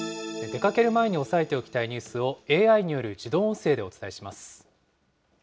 出かける前に押さえておきたいニュースをＡＩによる自動音声